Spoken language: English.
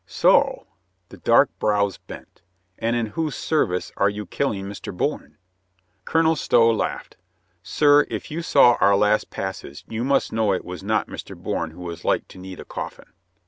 "So." The dark brows bent. "And in whose service are you killing Mr. Bourne?" Colonel Stow laughed. "Sir, if you saw our last passes, you must know it was not Mr. Bourne who was like to need a coffin."